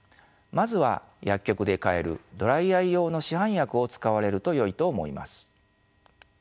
まずは薬局で買えるドライアイ用の市販薬を使われるとよいと思います。